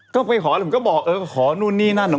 ก็ไปขอแล้วผมก็บอกเออก็ขอนู่นนี่นั่น